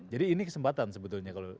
jadi ini kesempatan sebetulnya